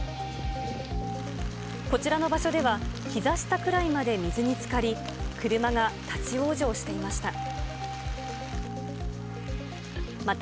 こちらの場所では、ひざ下くらいまで水につかり、車が立往生していました。